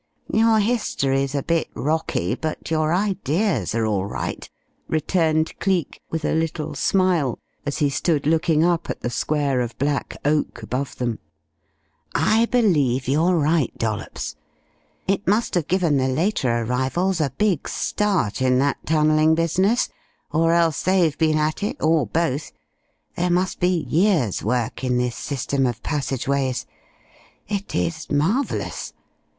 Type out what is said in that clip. "Your history's a bit rocky, but your ideas are all right," returned Cleek with a little smile, as he stood looking up at the square of black oak above them. "I believe you're right, Dollops. It must have given the later arrivals a big start in that tunnelling business, or else they've been at it, or both. There must be years' work in this system of passageways. It is marvellous.